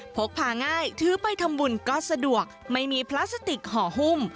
พกพาง่ายถือไปทำบุญก็สะดวกไม่มีพลาสติกห่อหุ้ม